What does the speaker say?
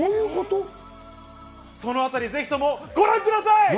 この辺り是非ともご覧ください。